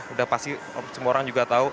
udah pasti semua orang juga tahu